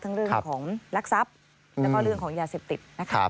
ทั้งเรื่องของลักษัพแล้วก็เรื่องของยาเสพติด